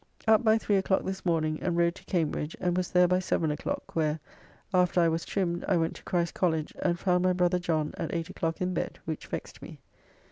Up by three o'clock this morning, and rode to Cambridge, and was there by seven o'clock, where, after I was trimmed, I went to Christ College, and found my brother John at eight o'clock in bed, which vexed me.